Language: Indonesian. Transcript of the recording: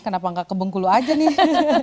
kenapa nggak ke bengkulu aja nih